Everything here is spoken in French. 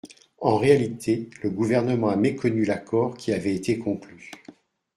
En réalité, le Gouvernement a méconnu l’accord qui avait été conclu.